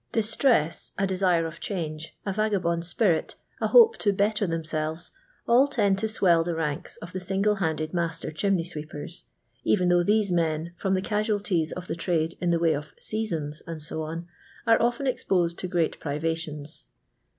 Distress, a de sire of change, a yagabond spirit, a hope to " better themselyes/' all tend to swell the ranks of the single handed master chimney sweepers; even though these men, from the casualties of the trade in the way of "seasons," &e,, are often exposed to great privations.